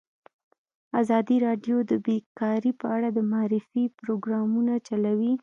ازادي راډیو د بیکاري په اړه د معارفې پروګرامونه چلولي.